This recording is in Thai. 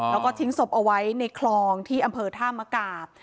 แล้วก็ทิ้งศพเอาไว้ในคลองที่อำเภอท่ามกาบ